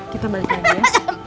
kita balik lagi ya